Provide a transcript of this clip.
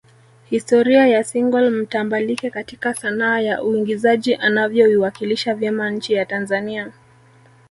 historia ya single mtambalike katika sanaa ya uingizaji anavyoiwakilisha vyema nchi ya Tanzania